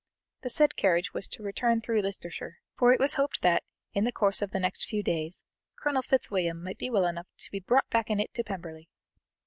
The said carriage was to return through Leicestershire, for it was hoped, that, in the course of the next few days, Colonel Fitzwilliam might be well enough to be brought back in it to Pemberley.